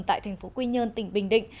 tại thành phố quy nhơn tỉnh bình định